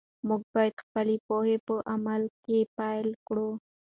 موږ باید خپله پوهه په عمل کې پلی کړو.